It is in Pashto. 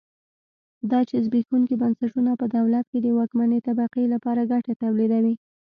دا چې زبېښونکي بنسټونه په دولت کې د واکمنې طبقې لپاره ګټه تولیدوي.